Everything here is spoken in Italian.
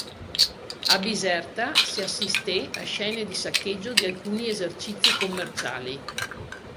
A Biserta, si assisté a scene di saccheggio di alcuni esercizi commerciali.